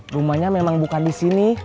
rumahnya memang bukan di sini